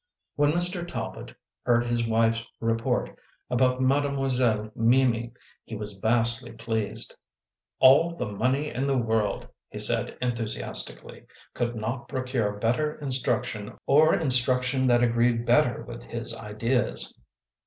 When Mr. Talbot heard his wife s report about Mademoiselle Mimi he was vastly pleased. " All the money in the world," he said enthusiastically, " could not procure better instruction or instruction that agreed better with his ideas."